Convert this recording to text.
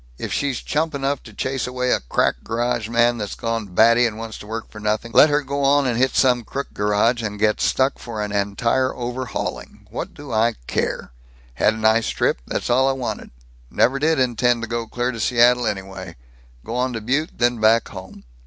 If she's chump enough to chase away a crack garage man that's gone batty and wants to work for nothing, let her go on and hit some crook garage and get stuck for an entire overhauling. What do I care? Had nice trip; that's all I wanted. Never did intend to go clear to Seattle, anyway. Go on to Butte, then back home.